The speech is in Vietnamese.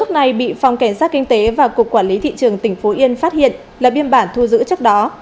lúc này bị phòng cảnh sát kinh tế và cục quản lý thị trường tp yên phát hiện là biên bản thu giữ chất đó